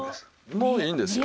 もういいんですよ。